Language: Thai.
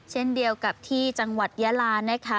เช่นเดียวกับที่จังหวัดยาลานะคะ